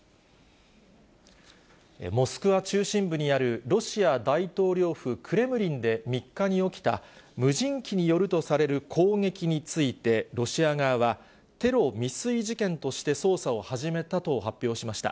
モスクワ中心部にあるロシア大統領府クレムリンで３日に起きた、無人機によるとされる攻撃について、ロシア側は、テロ未遂事件として捜査を始めたと発表しました。